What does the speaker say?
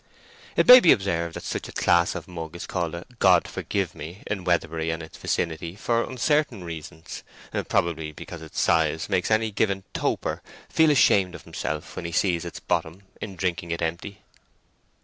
It may be observed that such a class of mug is called a God forgive me in Weatherbury and its vicinity for uncertain reasons; probably because its size makes any given toper feel ashamed of himself when he sees its bottom in drinking it empty.